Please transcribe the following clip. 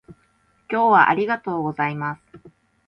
今日はありがとうございます